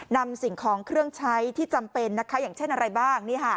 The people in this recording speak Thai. นำสิ่งของเครื่องใช้ที่จำเป็นอย่างเช่นอะไรบ้าง